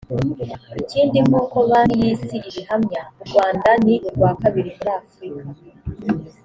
ikindi nk uko banki y isi ibihamya u rwanda ni urwa kabiri muri afurika